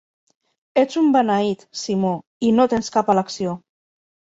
Ets un beneït, Simó, i no tens cap elecció.